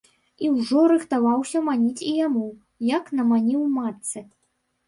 І ўжо рыхтаваўся маніць і яму, як наманіў матцы.